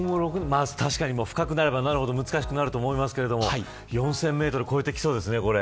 確かに深くなればなるほど難しくなると思いますが４０００メートルを超えてきそうですね。